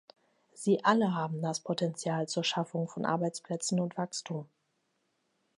Sie alle haben das Potenzial zur Schaffung von Arbeitsplätzen und Wachstum.